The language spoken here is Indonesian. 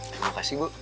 terima kasih bu